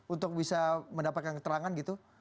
untuk bisa mendapatkan keterangan gitu